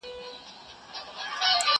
زه ليک لوستی دی.